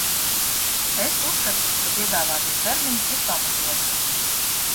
Es uzskatu, ka piedāvātie termiņi ir pamatoti.